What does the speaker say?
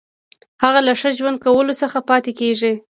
هغه له ښه ژوند کولو څخه پاتې کیږي.